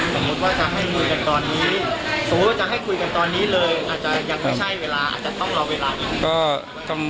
สมมุติว่าจะให้คุยกันตอนนี้เลยอาจจะยังไม่ใช่เวลาอาจจะต้องรอเวลา